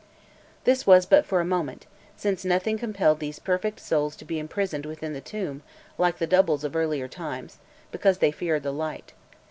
This was but for a moment, since nothing compelled these perfect souls to be imprisoned within the tomb like the doubles of earlier times, because they feared the light.